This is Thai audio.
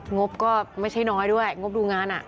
งบก็ไม่ใช่น้อยด้วยงบดูงาน